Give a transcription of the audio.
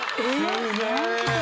すげえ。